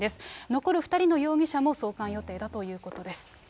残る２人の容疑者も送還予定だということです。